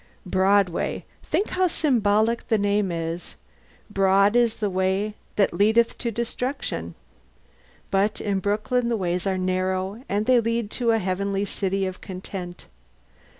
Broadway: think how symbolic the name is. Broad is the way that leadeth to destruction! But in Brooklyn the ways are narrow, and they lead to the Heavenly City of content.